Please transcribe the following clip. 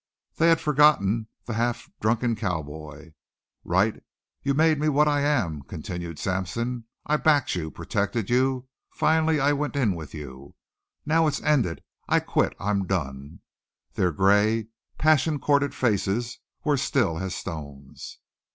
They had forgotten the half drunken cowboy. "Wright, you made me what I am," continued Sampson. "I backed you, protected you, finally I went in with you. Now it's ended. I quit you. I'm done!" Their gray, passion corded faces were still as stones.